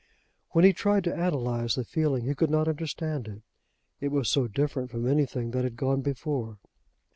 When he tried to analyse the feeling he could not understand it. It was so different from anything that had gone before!